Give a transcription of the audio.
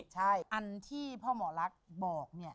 ใช่อันที่พ่อหมอลักบอกเนี่ย